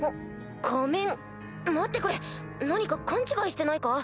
待ってくれ何か勘違いしてないか？